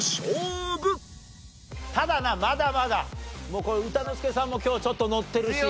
ただなまだまだもう歌之助さんも今日ちょっとノッてるし。